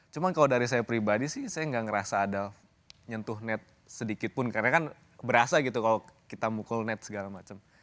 cuma kalau dari saya pribadi sih saya nggak ngerasa ada nyentuh net sedikit pun karena kan berasa gitu kalau kita mukul net segala macam